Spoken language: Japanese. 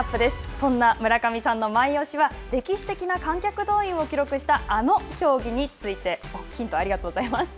そんな村上さんのマイオシは歴史的な観客動員を記録したあの競技についてヒント、ありがとうございます。